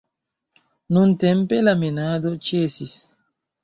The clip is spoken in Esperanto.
Nuntempe la minado ĉesis.